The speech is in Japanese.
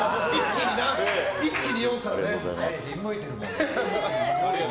一気に４皿な。